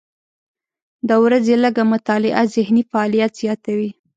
د ورځې لږه مطالعه ذهني فعالیت زیاتوي.